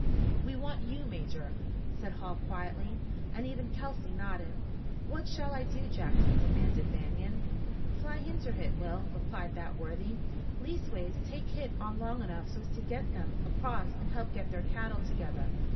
"We want you, Major," said Hall quietly, and even Kelsey nodded. "What shall I do, Jackson?" demanded Banion. "Fly inter hit, Will," replied that worthy. "Leastways, take hit on long enough so's to git them acrost an' help git their cattle together.